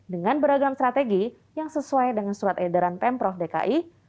dengan beragam strategi yang sesuai dengan surat edaran pemprov dki